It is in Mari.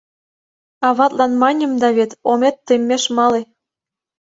— Аватлан маньым да вет — омет теммеш мале...